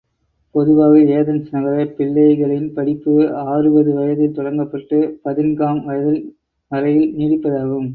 பொதுவாக ஏதென்ஸ் நகரப் பிள்ளேகளின் படிப்பு ஆருவது வயதில் தொடங்கப்பட்டு பதின்காம் வயது வரையில் நீடிப்பதாகும்.